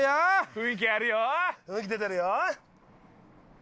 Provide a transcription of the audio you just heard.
雰囲気出てるよ！